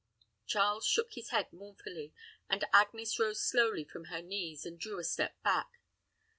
Charles shook his head mournfully; and Agnes rose slowly from her knees, and drew a step back.